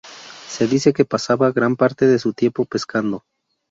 Se dice que pasaba gran parte de su tiempo pescando.